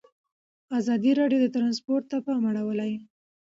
ازادي راډیو د ترانسپورټ ته پام اړولی.